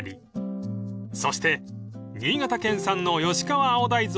［そして新潟県産の吉川青大